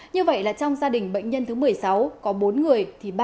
như vậy là trong gia đình bệnh nhân thứ một mươi sáu có bốn người